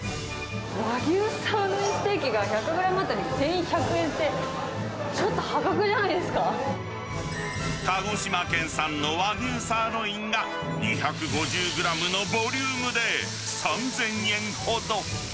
和牛サーロインステーキが１００グラム当たり１１００円って、鹿児島県産の和牛サーロインが、２５０グラムのボリュームで３０００円ほど。